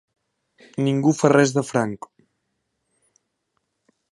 Ningú fa res de franc.